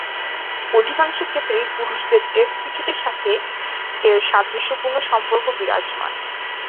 অধিকাংশ ক্ষেত্রেই পুরুষদের টেস্ট ক্রিকেটের সাথে এর সাদৃশ্যপূর্ণ সম্পর্ক বিরাজমান।